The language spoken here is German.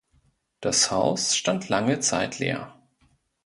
Das Haus stand lange Zeit leer.